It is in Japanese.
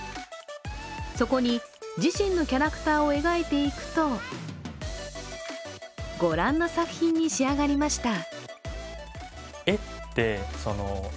そこに、自身のキャラクターを描いていくとご覧の作品に仕上がりました。